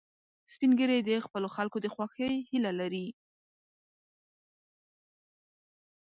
سپین ږیری د خپلو خلکو د خوښۍ هیله لري